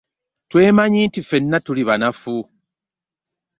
Twemanyi nti ffenna tuli banafu.